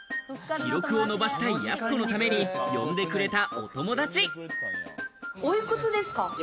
記録を伸ばしたいやす子のために呼んでくれたお友達。